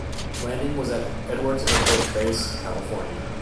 Landing was at Edwards Air Force Base, California.